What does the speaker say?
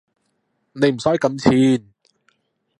你唔使咁串